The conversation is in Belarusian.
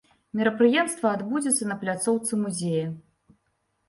Мерапрыемства адбудзецца на пляцоўцы музея.